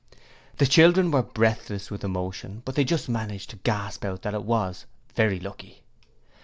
The children were breathless with emotion, but they just managed to gasp out that it was very lucky.